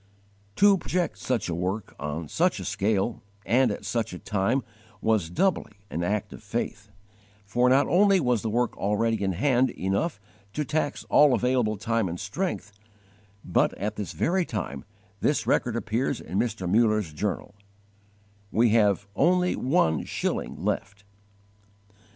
To project such a work, on such a scale, and at such a time, was doubly an act of faith; for not only was the work already in hand enough to tax all available time and strength, but at this very time this record appears in Mr. Muller's journal: _"We have only one shilling left."